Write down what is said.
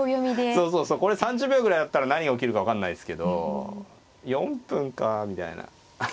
そうそうこれ３０秒ぐらいだったら何が起きるか分かんないっすけど４分かあみたいな。